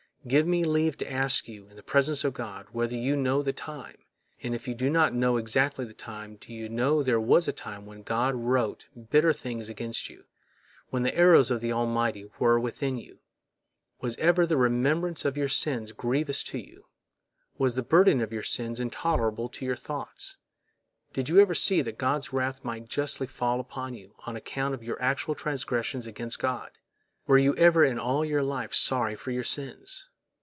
Give me leave to ask you, in the presence of God, whether you know the time, and if you do not know exactly the time, do you know there was a time when God wrote bitter things against you, when the arrows of the Almighty were within you? Was ever the remembrance of your sins grievous to you? Was the burden of your sins intolerable to your thoughts? Did you ever see that God's wrath might justly fall upon you, on account of your actual transgressions against God? Were you ever in all your life sorry for your sins?